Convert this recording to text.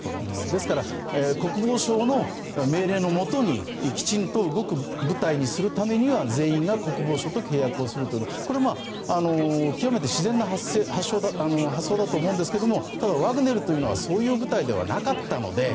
ですから、国防省の命令のもとにきちんと動く部隊にするためには全員が国防省と契約をするというのはこれは極めて自然な発想だと思いますがただ、ワグネルというのはそういう部隊ではなかったので。